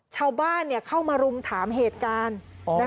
ชาวบ้านเข้ามารุมถามเหตุการณ์